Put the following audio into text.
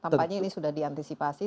tampaknya ini sudah diantisipasi